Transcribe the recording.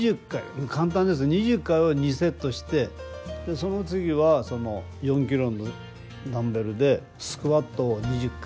２０回を２セットしてその次は４キロのダンベルでスクワットを２０回。